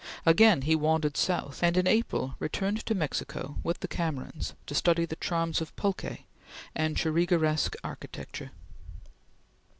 Again he wandered south, and in April returned to Mexico with the Camerons to study the charms of pulque and Churriguerresque architecture.